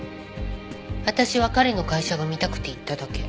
私は彼の会社が見たくて行っただけ。